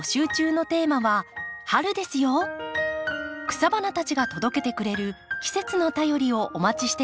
草花たちが届けてくれる季節の便りをお待ちしています。